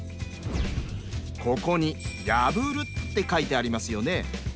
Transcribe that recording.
ここに「破」って書いてありますよね。